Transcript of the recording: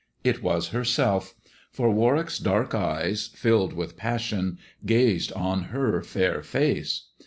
It was herself ; for Warwick's dark eyes, filled with passion, gazed on her fair face.